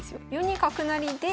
４二角成で。